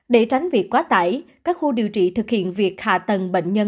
để tránh việc quá tải các khu điều trị thực hiện việc hạ tầng bệnh nhân